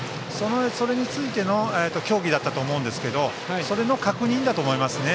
それについての協議だったと思うんですけどそれの確認だと思います。